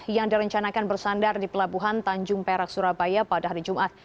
yang direncanakan bersandar di pelabuhan tanjung perak surabaya pada hari jumat